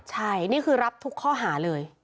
ใช่นี่คือรับทุกข้อหาเลย